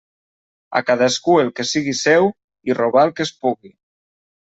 A cadascú el que sigui seu, i robar el que es pugui.